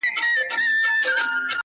لا لرګي پر کوناټو پر اوږو خورمه-